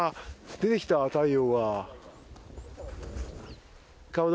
出てきた太陽が。